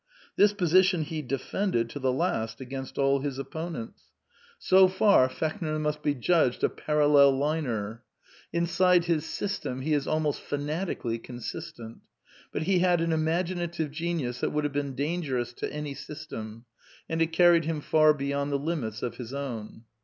This position he defended to the last against all. his opponents. So far 82 A DEFENCE OE IDEALISM Fechner must be judged a ParalleMiner. Inside his sys tem he is almost fanatically consistent. But he had an imaginative genius that would have been dangerous to any system, and it carried him far beyond the limits of his own.